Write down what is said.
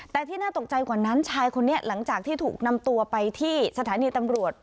แต่ที่น่าตกใจกว่านั้นชายคนนี้หลังจากที่ถูกนำตัวไปที่สถานีตำรวจ